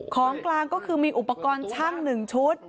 ของกลางก็คือมีอุปกรณ์ช่าง๑ชุด